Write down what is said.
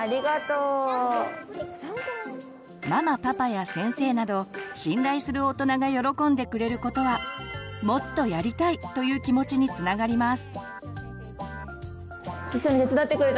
ママパパや先生など信頼する大人が喜んでくれることは「もっとやりたい」という気持ちにつながります。